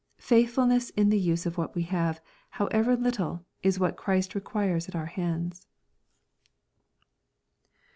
Faithfulness in the use of what we have, however little, is what Christ requires at oui hands.